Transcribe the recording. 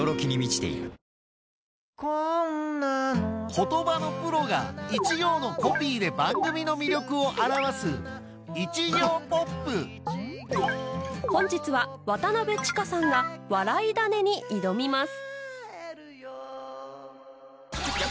言葉のプロが一行のコピーで番組の魅力を表す本日は渡千佳さんが『笑いダネ』に挑みます